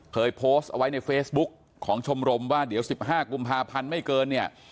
เคยโพสต์เอาไว้ในเฟซบุ๊กของชมรมว่าเดี๋ยว๑๕กุมภาพันธ์ไม่เกินเนี่ย